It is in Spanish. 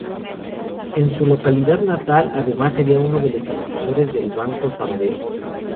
En su localidad natal, además, sería uno de los impulsores del Banco Sabadell.